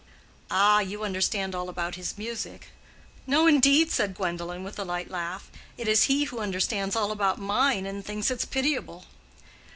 "Ah, you understand all about his music." "No, indeed," said Gwendolen, with a light laugh; "it is he who understands all about mine and thinks it pitiable."